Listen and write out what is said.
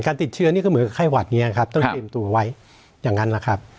ติดเชื้อนี่ก็เหมือนกับไข้หวัดนี้ครับต้องเตรียมตัวไว้อย่างนั้นแหละครับ